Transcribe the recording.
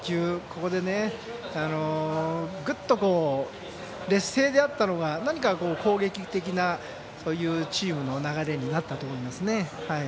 ここで、ぐっと劣勢であったのが何か攻撃的なチームの流れになったと思いますね。